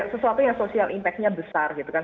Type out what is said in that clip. sesuatu yang social impact nya besar gitu kan